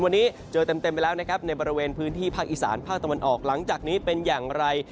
วันนี้เจอเต็มไปแล้วนะครับในบริเวณพื้นที่ภาคอีสานภาคตะวันออกหลังจากนี้เป็นอย่างไร